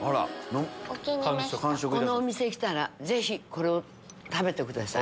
このお店来たらぜひこれを食べてください。